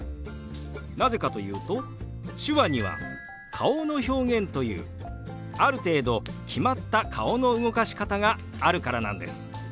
なぜかというと手話には顔の表現というある程度決まった顔の動かし方があるからなんです。